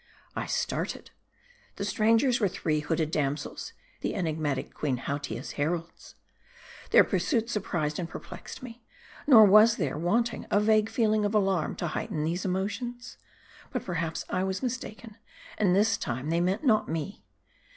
I started. The strangers were three hooded damsels ; the enigmati cal Queen Hautia's heralds. Their pursuit surprised and perplexed me. Nor was there 252 M A R D I. wanting a vague feeling of alarm to heighten these emotions. But perhaps I was mistaken, and this time they meant not me.